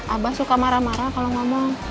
abah suka marah marah kalau ngomong